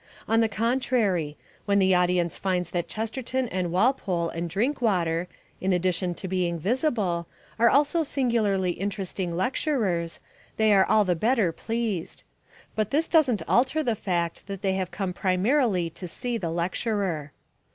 On the contrary: when the audience finds that Chesterton and Walpole and Drinkwater, in addition to being visible, are also singularly interesting lecturers, they are all the better pleased. But this doesn't alter the fact that they have come primarily to see the lecturer.